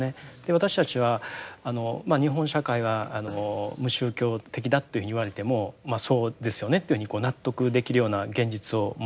私たちは日本社会が無宗教的だというふうに言われてもまっそうですよねというふうに納得できるような現実を持っています。